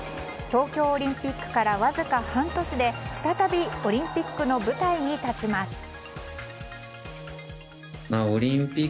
東京オリンピックからわずか半年で再びオリンピックの舞台に立ちます。